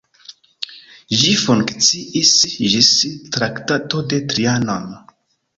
Ĝi funkciis ĝis Traktato de Trianon.